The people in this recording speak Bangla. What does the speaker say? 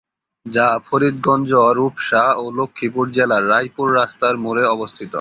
যা ফরিদগঞ্জ-রূপসা ও লক্ষ্মীপুর জেলার রায়পুর রাস্তার মোড়ে অবস্থিত।